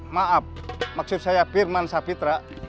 maaf maksud saya firman sapitra